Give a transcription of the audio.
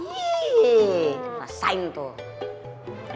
ih rasain tuh